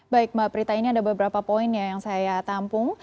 baik mbak prita ini ada beberapa poin ya yang saya tampung